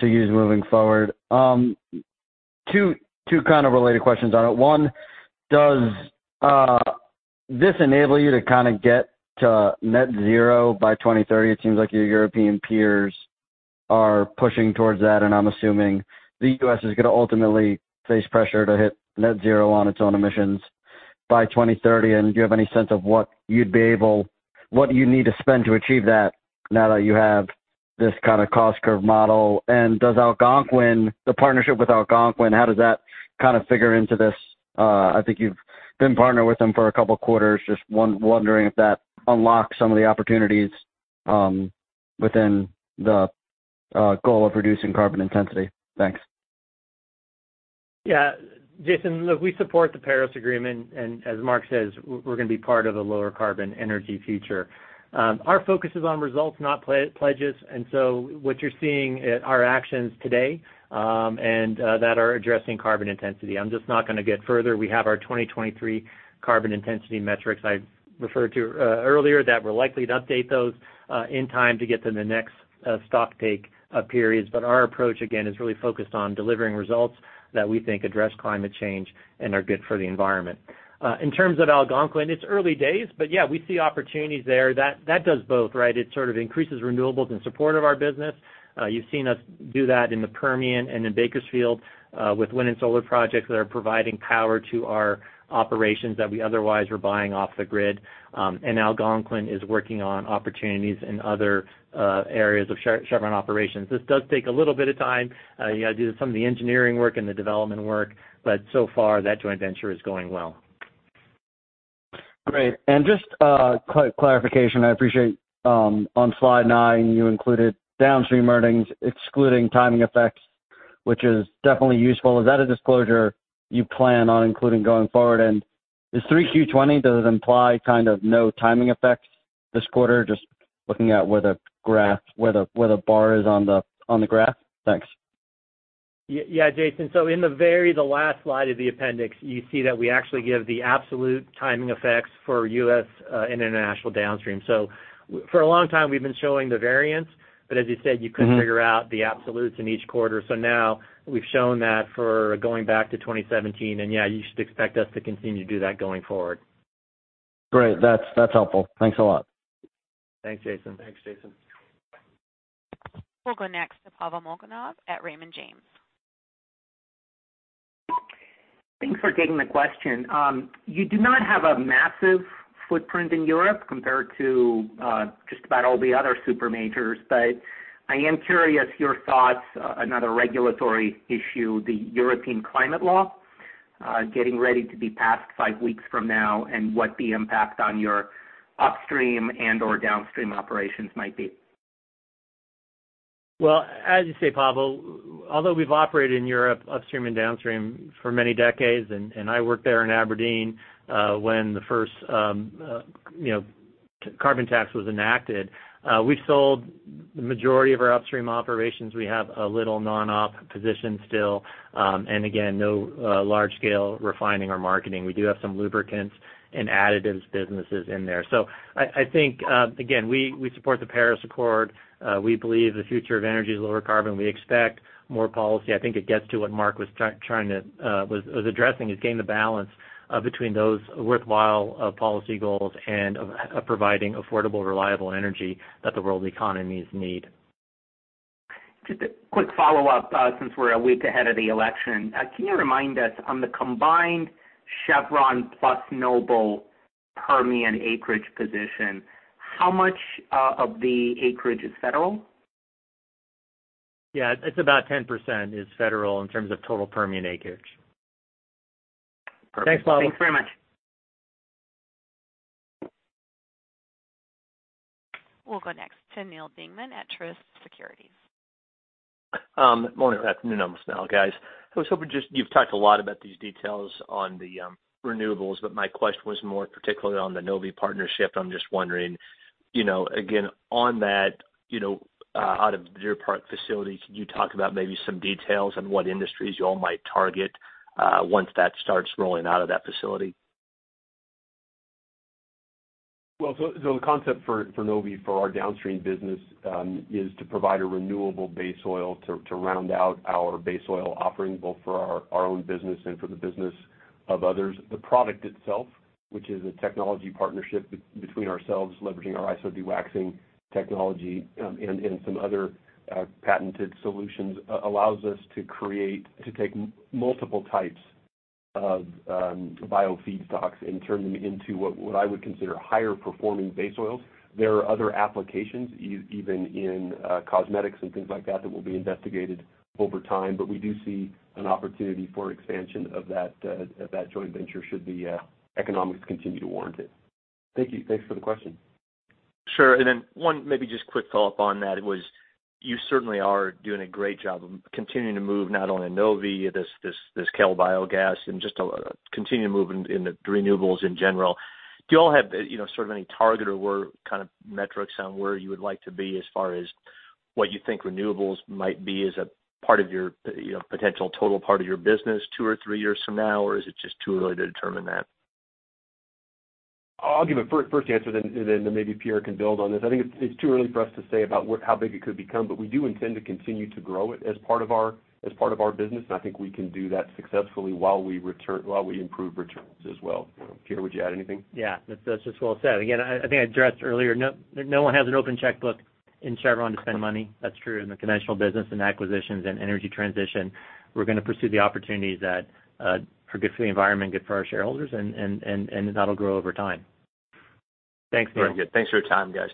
to use moving forward. Two kind of related questions on it. One, does this enable you to kind of get to net zero by 2030? It seems like your European peers are pushing towards that. I'm assuming the U.S. is going to ultimately face pressure to hit net zero on its own emissions by 2030. Do you have any sense of what you need to spend to achieve that now that you have this kind of cost curve model? The partnership with Algonquin, how does that kind of figure into this? I think you've been partnered with them for a couple of quarters. Just wondering if that unlocks some of the opportunities within the goal of reducing carbon intensity. Thanks. Yeah. Jason, look, we support the Paris Agreement. As Mark says, we're going to be part of the lower carbon energy future. Our focus is on results, not pledges. What you're seeing are actions today, and that are addressing carbon intensity. I'm just not going to get further. We have our 2023 carbon intensity metrics I referred to earlier that we're likely to update those in time to get to the next stock take periods. Our approach, again, is really focused on delivering results that we think address climate change and are good for the environment. In terms of Algonquin, it's early days, but yeah, we see opportunities there. That does both, right? It sort of increases renewables in support of our business. You've seen us do that in the Permian and in Bakersfield, with wind and solar projects that are providing power to our operations that we otherwise were buying off the grid. Algonquin is working on opportunities in other areas of Chevron operations. This does take a little bit of time. You got to do some of the engineering work and the development work, but so far, that joint venture is going well. Great. Just clarification, I appreciate, on slide nine, you included downstream earnings excluding timing effects, which is definitely useful. Is that a disclosure you plan on including going forward? Is 3Q 2020, does it imply kind of no timing effects this quarter? Just looking at where the bar is on the graph. Thanks. Yeah, Jason. In the very last slide of the appendix, you see that we actually give the absolute timing effects for U.S. international downstream. For a long time, we've been showing the variance. You couldn't figure out the absolutes in each quarter. Now we've shown that for going back to 2017, and yeah, you should expect us to continue to do that going forward. Great. That's helpful. Thanks a lot. Thanks, Jason. Thanks, Jason. We'll go next to Pavel Molchanov at Raymond James. Thanks for taking the question. You do not have a massive footprint in Europe compared to just about all the other super majors. I am curious your thoughts on another regulatory issue, the European Climate Law, getting ready to be passed five weeks from now, and what the impact on your upstream and/or downstream operations might be? Well, as you say, Pavel, although we've operated in Europe upstream and downstream for many decades, and I worked there in Aberdeen when the first carbon tax was enacted, we've sold the majority of our upstream operations. We have a little non-op position still. Again, no large scale refining or marketing. We do have some lubricants and additives businesses in there. I think, again we support the Paris Accord. We believe the future of energy is lower carbon. We expect more policy. I think it gets to what Mark was addressing, is getting the balance between those worthwhile policy goals and providing affordable, reliable energy that the world economies need. Just a quick follow-up, since we're a week ahead of the election. Can you remind us on the combined Chevron plus Noble Permian acreage position, how much of the acreage is federal? Yeah. It's about 10% is federal in terms of total Permian acreage. Perfect. Thanks, Pavel. Thanks very much. We'll go next to Neal Dingmann at Truist Securities. Morning. Afternoon almost now, guys. You've talked a lot about these details on the renewables, but my question was more particularly on the Novvi partnership. I'm just wondering, again, on that out of Deer Park facility, can you talk about maybe some details on what industries you all might target once that starts rolling out of that facility? The concept for Novvi for our downstream business, is to provide a renewable base oil to round out our base oil offering, both for our own business and for the business of others. The product itself, which is a technology partnership between ourselves leveraging our ISODEWAXING technology, and some other patented solutions, allows us to take multiple types of bio-feedstocks and turn them into what I would consider higher performing base oils. There are other applications, even in cosmetics and things like that will be investigated over time. We do see an opportunity for expansion of that joint venture should the economics continue to warrant it. Thank you. Thanks for the question. Sure. One maybe just quick follow-up on that was, you certainly are doing a great job of continuing to move not only Novvi, this CalBioGas, and just continue to move in the renewables in general. Do you all have sort of any target or where kind of metrics on where you would like to be as far as what you think renewables might be as a potential total part of your business two or three years from now? Or is it just too early to determine that? I'll give a first answer, and then maybe Pierre can build on this. I think it's too early for us to say about how big it could become, but we do intend to continue to grow it as part of our business, and I think we can do that successfully while we improve returns as well. Pierre, would you add anything? Yeah. That's just well said. Again, I think I addressed earlier, no one has an open checkbook in Chevron to spend money. That's true in the conventional business, in acquisitions, in energy transition. We're going to pursue the opportunities that are good for the environment, good for our shareholders, and that'll grow over time. Thanks, Neal. Very good. Thanks for your time, guys.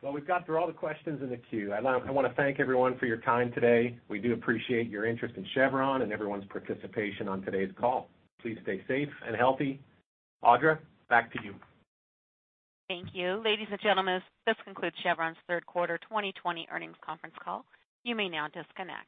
Well, we've got through all the questions in the queue. I want to thank everyone for your time today. We do appreciate your interest in Chevron and everyone's participation on today's call. Please stay safe and healthy. Audra, back to you. Thank you. Ladies and gentlemen, this concludes Chevron's third quarter 2020 earnings conference call. You may now disconnect.